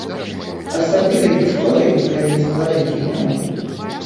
Асаблівай гісторыі пра яе стварэнне няма.